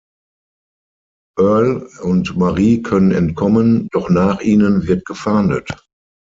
Earle und Marie können entkommen, doch nach ihnen wird gefahndet.